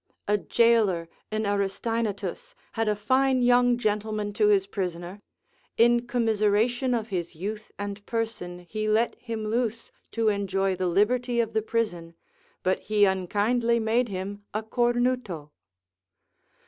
A goaler in Aristaenetus had a fine young gentleman to his prisoner; in commiseration of his youth and person he let him loose, to enjoy the liberty of the prison, but he unkindly made him a cornuto.